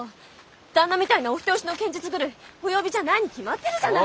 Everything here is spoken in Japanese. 旦那みたいなお人よしの剣術狂いお呼びじゃないに決まってるじゃない！